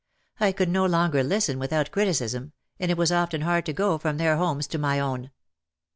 I could no longer listen without criticism, and it was often hard to go from their homes to my own.